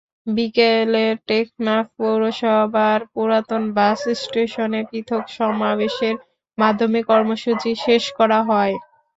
বিকেলে টেকনাফ পৌরসভার পুরাতন বাসস্টেশনে পৃথক সমাবেশের মাধ্যমে কর্মসূচি শেষ করা হয়।